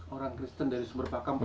orang kristen dari sumber pakem pertama